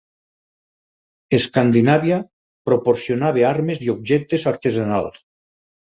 Escandinàvia proporcionava armes i objectes artesanals.